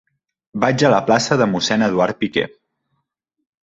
Vaig a la plaça de Mossèn Eduard Piquer.